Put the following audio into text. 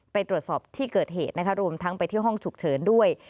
ไปตรวจสอบที่เกิดเหตุนะคะรวมทั้งไปที่ห้องฉุกเฉินด้วย